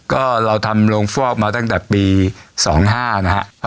ก็เราทำโรงฟอกมาตั้งแต่ปี๒๕นะฮะ